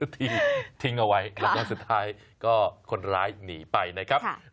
ทิ้งเอาไว้แล้วก็สุดท้ายก็คนร้ายหนีไปนะครับ